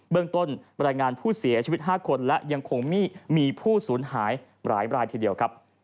เรื่องต้นบรรยายงานผู้เสียชีวิต๕คนและยังคงมีผู้สูญหายหลายรายทีเดียวครับ